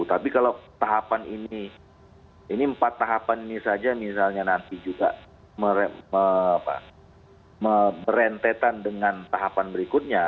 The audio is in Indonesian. tapi kalau tahapan ini ini empat tahapan ini saja misalnya nanti juga berentetan dengan tahapan berikutnya